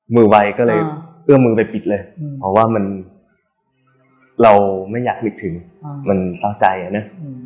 ไวก็เลยเอื้อมมือไปปิดเลยเพราะว่ามันเราไม่อยากนึกถึงมันเศร้าใจอะนะ